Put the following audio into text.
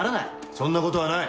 そんなことはない。